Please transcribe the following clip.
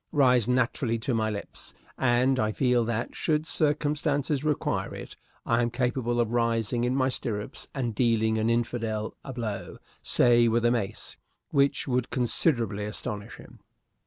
rise naturally to my lips, and I feel that, should circumstances require it, I am capable of rising in my stirrups and dealing an infidel a blow say with a mace which would considerably astonish him.